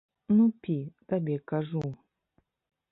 Ну, пі, табе кажу!